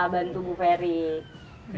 bantu bu ferry